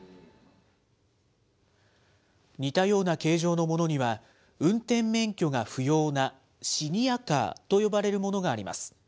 似たような形状のものには、運転免許が不要なシニアカーと呼ばれるものがあります。